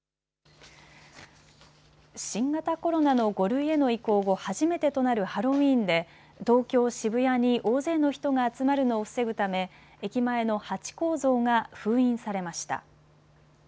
新型コロナの５類への移行後初めてとなるハロウィーンで東京渋谷に大勢の人が集まるのを防ぐため駅前のハチ公像が封印されました。